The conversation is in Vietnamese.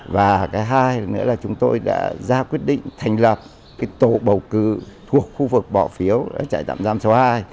và cái hai nữa là chúng tôi đã ra quyết định thành lập tổ bầu cử thuộc khu vực bỏ phiếu trại tạm giam số hai